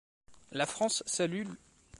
La France salue l'.